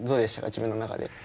自分の中で。